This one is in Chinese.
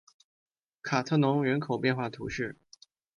卡特农人口变化图示